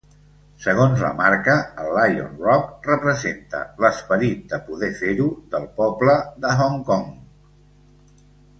Segons la marca, el Lion Rock representa "l'esperit de "poder fer-ho" del poble de Hong Kong".